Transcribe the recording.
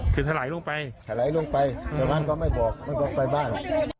คือถลายลงไปถลายลงไปชาวบ้านก็ไม่บอกไม่บอกไปบ้าน